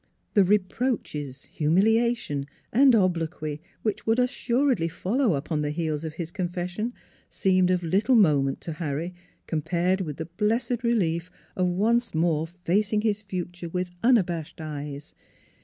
The reproaches, humiliation, and obloquy which would assuredly follow upon the heels of his confession seemed of little moment to Harry compared with the blessed relief of once more facing his future with unabashed eyes.